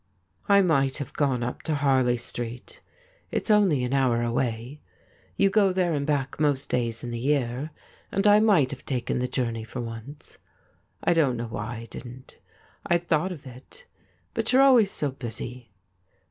' I might have gone up to Harley Street. It's only an hour avi^ay. You go there and back most days in the year, and I might have taken the journey for once. I don't know why I didn't — I had thought of it — but you're always so busy.'